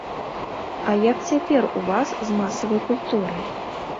А як цяпер у вас з масавай культурай?